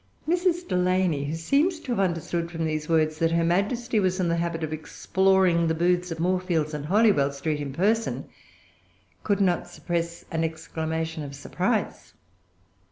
Mrs. Delany, who seems to have understood from these words that her Majesty was in the habit of exploring the booths of Moorfields and Holywell Street in person, could not suppress an exclamation of surprise.